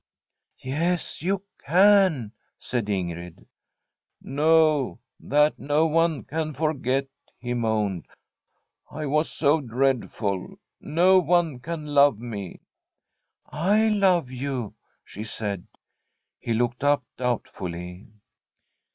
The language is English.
' Yes, you can,' said Ingrid. * No ; that no one can forget,' he moaned. * I was so dreadful ! No one can love me.' ' I love you,' she said. He looked up doubtfully.